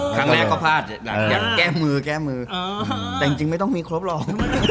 ครั้งแรกก็พลาดอยากแก้มือแก้มือแต่จริงไม่ต้องมีครบหรอก